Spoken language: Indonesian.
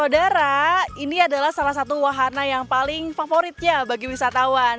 bandara ini adalah salah satu wahana yang paling favoritnya bagi wisatawan